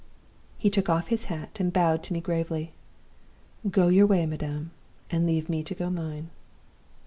He took off his hat, and bowed to me gravely. 'Go your way, madam. And leave me to go mine!